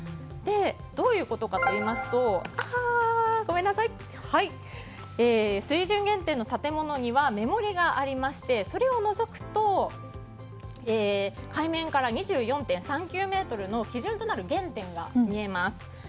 どういうことかといいますと水準原点の建物には目盛りがありましてそれをのぞくと海面から２４．３９ｍの基準となる原点が見えます。